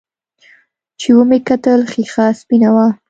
چې ومې کتل ښيښه سپينه وه.